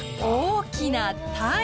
大きな鯛！